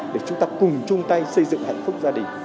để chúng ta cùng chung tay xây dựng hạnh phúc gia đình